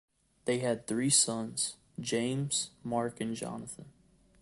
They had three sons: James, Mark and Jonathan.